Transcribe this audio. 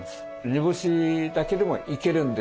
煮干しだけでもいけるんですよ。